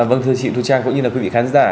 vâng thưa chị thu trang cũng như là quý vị khán giả